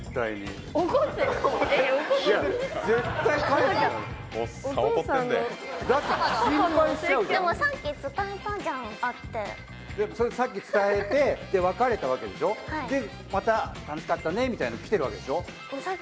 絶対にだって心配しちゃうじゃんでもさっき伝えたじゃん会ってそれはさっき伝えて別れたわけでしょまた「楽しかったね」みたいなの来てるわけでしょ？